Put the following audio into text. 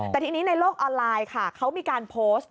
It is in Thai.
แต่ทีนี้ในโลกออนไลน์ค่ะเขามีการโพสต์